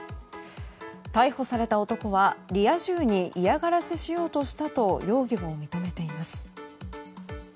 逮捕された男はリア充に嫌がらせしようとしたと容疑を認めています。